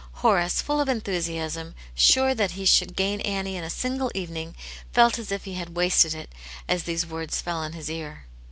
Horace, full of enthusiasm, sure that he should gain Annie in a single evening, felt as if he had wasted it as these words fell on his ear.